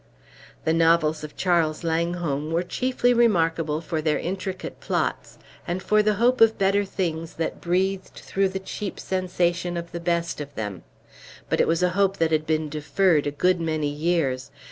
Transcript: The novels of Charles Langholm were chiefly remarkable for their intricate plots, and for the hope of better things that breathed through the cheap sensation of the best of them. But it was a hope that had been deferred a good many years.